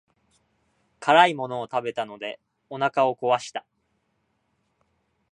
辛いものを食べたのでお腹を壊した。